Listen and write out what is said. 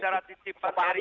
sebentar sebentar bang adrian